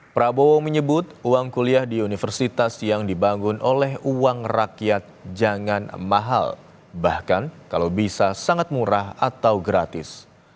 prabowo menyebut uang kuliah di universitas yang dibangun oleh uang rakyat jangan mahal bahkan kalau bisa sangat murah atau gratis